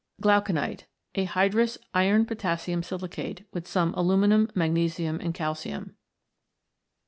G lauconite. A hydrous iron potassium silicate, with some aluminium, magnesium, and calcium.